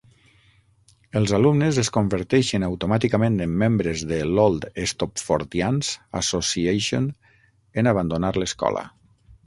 Els alumnes es converteixen automàticament en membres de l'Old Stopfordians Association en abandonar l'escola.